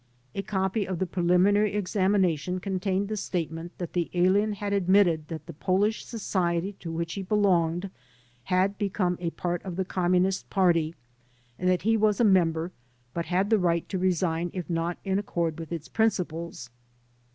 A copy of the preliminary examination contained the statement that the alien had admitted that the Polish Society to which he belonged had become a part of the Communist Party and that he was a member but had the right to resign if not in accord with its principles.